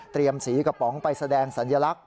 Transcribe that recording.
เตรียมสีกระป๋องไปแสดงสัญลักษณ์